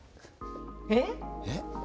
えっ？えっ？